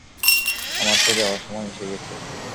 আমার তো যাওয়ার সময় এসে গেছে।